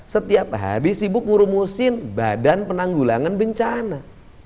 setiap hari sibuk ngurumusin badan penanggulangan bencana